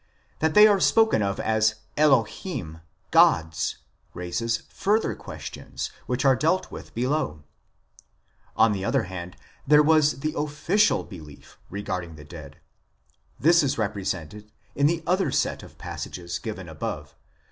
That they are spoken of as "elohim," "gods," raises further questions which are dealt with below (see pp. 95 &.). On the other hand, there was the official belief regarding the dead ; this is repre sented in the other set of passages given above.